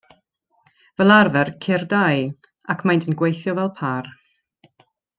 Fel arfer ceir dau, ac maent yn gweithio fel pâr.